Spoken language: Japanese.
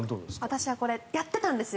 私はこれやってたんです。